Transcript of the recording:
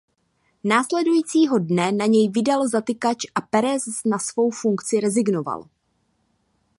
Následujícího dne na něj vydal zatykač a Pérez na svou funkci rezignoval.